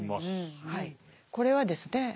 これはですね